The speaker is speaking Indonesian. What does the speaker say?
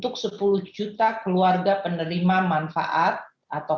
kedua pemerintah memberikan bantuan sosial